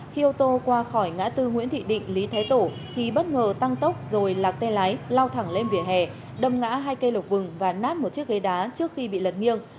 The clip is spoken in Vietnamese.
khi ô tô qua khỏi ngã tư nguyễn thị định lý thái tổ thì bất ngờ tăng tốc rồi lạc tay lái lao thẳng lên vỉa hè đâm ngã hai cây lộc vừng và nát một chiếc ghế đá trước khi bị lật nghiêng